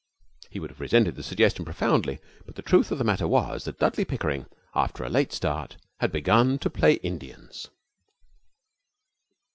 He would have resented the suggestion profoundly, but the truth of the matter was that Dudley Pickering, after a late start, had begun to play Indians.